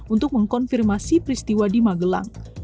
untuk mengkonfirmasi peristiwa di magelang